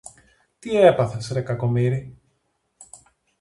Τι έπαθες, ρε κακομοίρη;